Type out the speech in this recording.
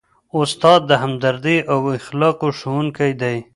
استاد د همدردۍ او اخلاقو ښوونکی دی.